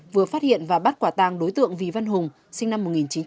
vừa phát hiện và bắt quả tàng đối tượng vì văn hùng sinh năm một nghìn chín trăm tám mươi